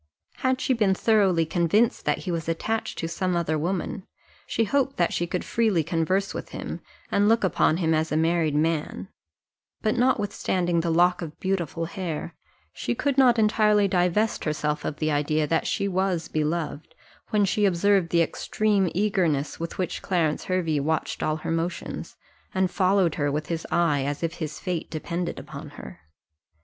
Had she been thoroughly convinced that he was attached to some other woman, she hoped that she could freely converse with him, and look upon him as a married man; but notwithstanding the lock of beautiful hair, she could not entirely divest herself of the idea that she was beloved, when she observed the extreme eagerness with which Clarence Hervey watched all her motions, and followed her with his eye as if his fate depended upon her.